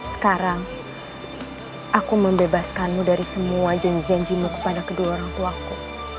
sekarang aku membebaskanmu dari semua janji janjimu kepada kedua orang tuaku